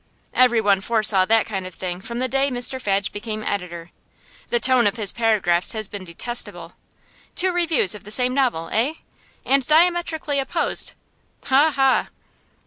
Everyone foresaw that kind of thing from the day Mr Fadge became editor. The tone of his paragraphs has been detestable. Two reviews of the same novel, eh? And diametrically opposed? Ha! Ha!